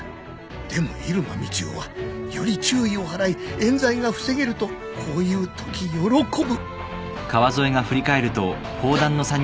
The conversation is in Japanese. でも入間みちおはより注意を払い冤罪が防げるとこういうとき喜ぶ